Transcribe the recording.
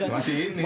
masih ini om